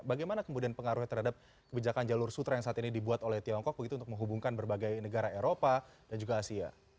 bagaimana kemudian pengaruhnya terhadap kebijakan jalur sutra yang saat ini dibuat oleh tiongkok begitu untuk menghubungkan berbagai negara eropa dan juga asia